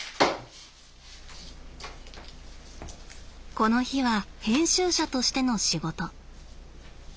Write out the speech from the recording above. この日は編集者としての仕事。